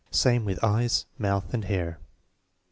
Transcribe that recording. Same with eyes, mouth, and hair.